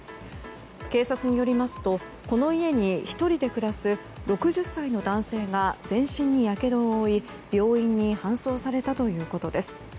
警察によりますとこの家に１人で暮らす６０歳の男性が全身にやけどを負い病院に搬送されたということです。